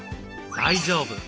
大丈夫！